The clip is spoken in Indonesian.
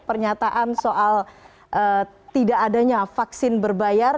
pernyataan soal tidak adanya vaksin berbayar